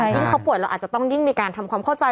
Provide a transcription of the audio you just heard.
ยิ่งเขาป่วยเราอาจจะต้องยิ่งมีการทำความเข้าใจ